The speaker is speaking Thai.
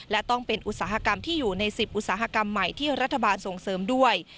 และต้องเป็นอุตสาหกรรมที่อยู่ใน๑๐อุตสาหกรรมใหม่ที่รัฐบาลส่งเสริมด้วย